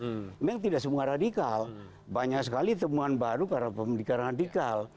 memang tidak semua radikal banyak sekali temuan baru karena pemikiran radikal